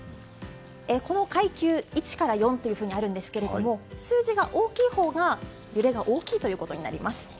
この階級１から４とあるんですが数字が大きいほうが揺れが大きいことになります。